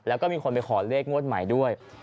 แล้วก็มีคนไปขอเลขงวดใหม่ด้วย